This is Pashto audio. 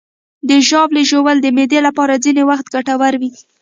د ژاولې ژوول د معدې لپاره ځینې وخت ګټور وي.